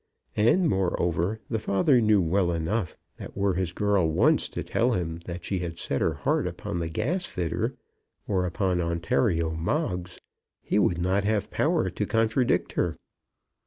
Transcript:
And, moreover, the father knew well enough that were his girl once to tell him that she had set her heart upon the gasfitter, or upon Ontario Moggs, he would not have the power to contradict her.